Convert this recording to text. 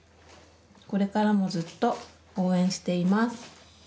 これからもずっと応援しています。